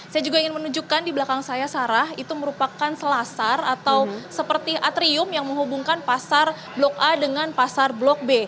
saya juga ingin menunjukkan di belakang saya sarah itu merupakan selasar atau seperti atrium yang menghubungkan pasar blok a dengan pasar blok b